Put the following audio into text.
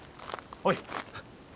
おい！